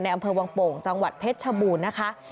อำเภอวังโป่งจังหวัดเพชรชบูรณ์นะคะ